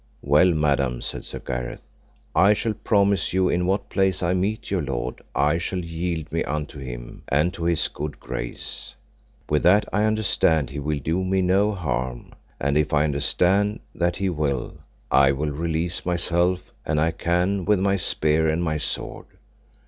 Well madam, said Sir Gareth, I shall promise you in what place I meet your lord I shall yield me unto him and to his good grace; with that I understand he will do me no harm: and if I understand that he will, I will release myself an I can with my spear and my sword.